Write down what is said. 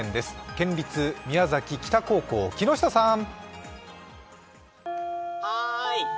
県立宮崎北高校、木下さん！